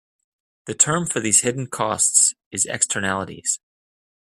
The term for these hidden costs is "Externalities".